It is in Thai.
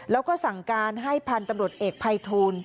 แล้วก็สั่งการให้พันธุ์ตำรวจเอกภัยทูล